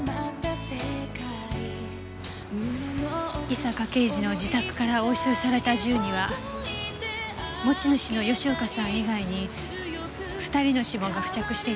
井坂刑事の自宅から押収された銃には持ち主の吉岡さん以外に２人の指紋が付着していたわ。